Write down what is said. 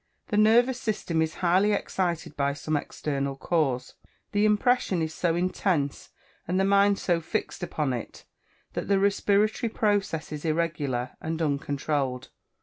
The nervous system is highly excited by some external cause. The impression is so intense, and the mind so fixed upon it, that the respiratory process is irregular, and uncontrolled.